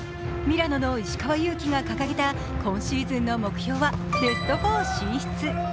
ミラノの石川祐希が掲げた今シーズンの目標はベスト４進出。